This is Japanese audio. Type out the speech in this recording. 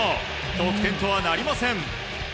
得点とはなりません。